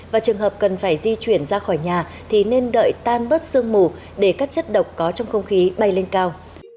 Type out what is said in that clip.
và trường hợp cần phải di chuyển ra khỏi nhà thì nên đợi tan bớt sương mù để các chất độc có trong không khí bay lên cao